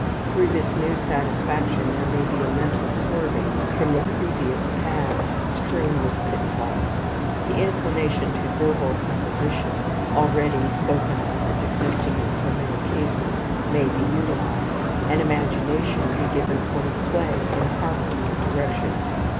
Through this new satisfaction there may be a mental swerving from the previous paths strewn with pitfalls. The inclination to verbal composition, already spoken of as existing in so many cases, may be utilized, and imagination be given full sway in harmless directions.